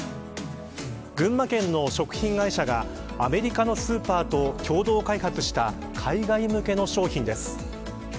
群馬県の食品会社がアメリカのスーパーと共同開発した海外向けの商品です。